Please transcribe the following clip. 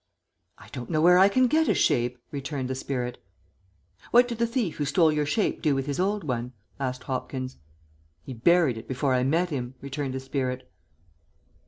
"I don't know where I can get a shape," returned the spirit. "What did the thief who took your shape do with his old one?" asked Hopkins. "He'd buried it before I met him," returned the spirit.